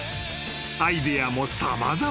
アイデアも様々］